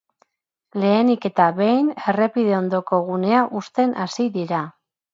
Lehenik eta behin errepide ondoko gunea husten hasi dira.